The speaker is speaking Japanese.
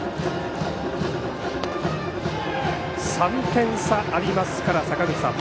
３点差ありますから、坂口さん